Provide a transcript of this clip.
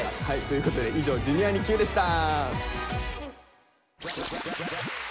ということで以上「Ｊｒ．にＱ」でした。